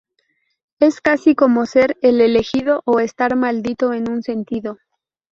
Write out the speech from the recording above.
Es casi como ser el elegido o estar maldito, en un sentido.